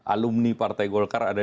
alumni partai golkar ada